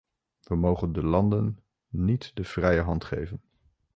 We mogen de landen niet de vrije hand geven.